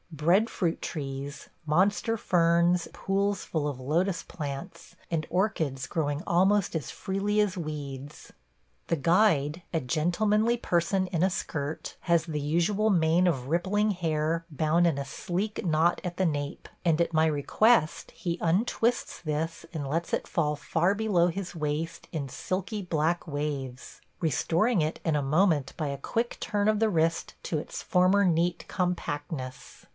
Breadfruit trees, monster ferns, pools full of lotus plants, and orchids growing almost as freely as weeds. The guide, a gentlemanly person in a skirt, has the usual mane of rippling hair bound in a sleek knot at the nape, and at my request he untwists this and lets it fall far below his waist in silky black waves – restoring it in a moment by a quick turn of the wrist to its former neat compactness.